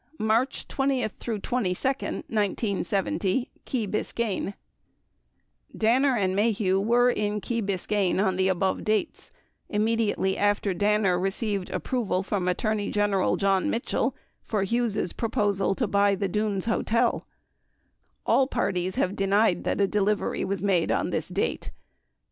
MARCH 2 0 22, 1970 — KEY BISCAYNE Danner and Maheu were in Key Biscayne on the above dates, 22 immediately after Danner received approval from Attorney General John Mitchell for Hughes' proposal to buy the Dunes Hotel. 23 All parties have denied that a delivery was made on this date.